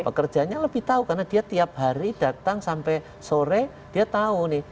pekerjanya lebih tahu karena dia tiap hari datang sampai sore dia tahu nih